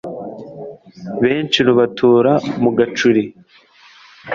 Benshi rubatura mugacuri